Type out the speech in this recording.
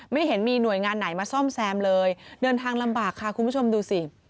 ไม่เห็นมีหน่วยงานไหนมาซ่อมแซมเลยเดินทางลำบากค่ะคุณผู้ชมดูสิ